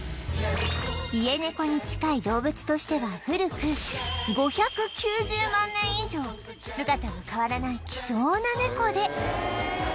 家ネコに近い動物としては古く５９０万年以上姿が変わらない希少なネコで